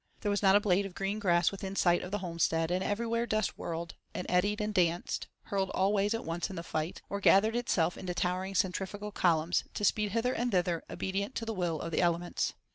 There was not a blade of green grass within sight of the homestead, and everywhere dust whirled, and eddied, and danced, hurled all ways at once in the fight, or gathered itself into towering centrifugal columns, to speed hither and thither, obedient to the will of the elements.